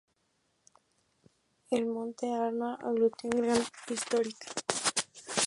El monte Arno aglutina gran carga histórica.